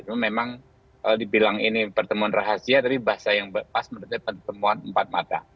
memang dibilang ini pertemuan rahasia tapi bahasa yang pas menurut saya pertemuan empat mata